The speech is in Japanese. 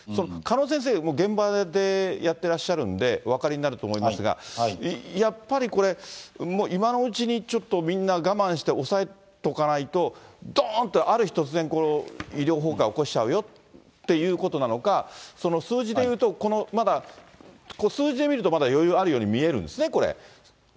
鹿野先生も現場でやってらっしゃるんでお分かりになると思いますが、やっぱりこれ、今のうちにちょっとみんな我慢して抑えとかないと、どーんと、ある日突然、医療崩壊起こしちゃうよっていうことなのか、数字で言うと、このまだ、数字で見るとまだ余裕あるように見えるんですね、これ。